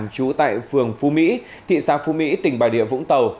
trú tại phường phú mỹ thị xã phú mỹ tỉnh bà địa vũng tàu